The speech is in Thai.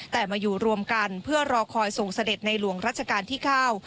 แต่มาอยู่รวมกันเพื่อรอคอยส่งเสด็จในหลวงรัชกาลที่เก้า